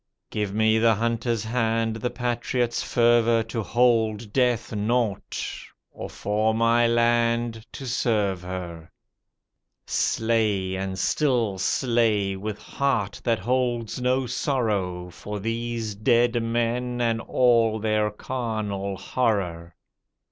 Give me the hunter's hand, the patriot's fervour To hold death naught, or for my land to serve her. Slay and still slay, with heart that holds no sorrow For these dead men and all their carnal horror.